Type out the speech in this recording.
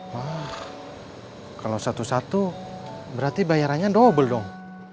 wah kalau satu satu berarti bayarannya double dong